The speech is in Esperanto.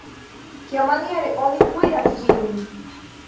Kiamaniere oni kuiras ĝin?